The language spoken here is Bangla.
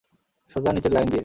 সোজা নিচের লাইন দিয়ে।